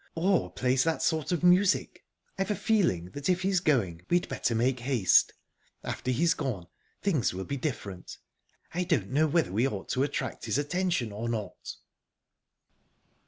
"Or plays that sort of music?...I've a feeling that if he's going we'd better make haste. After he's gone, things will be different. I don't know whether we ought to attract his attention, or not."